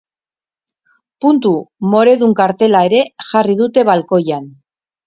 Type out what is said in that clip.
Puntu moredun kartela ere jarri dute balkoian.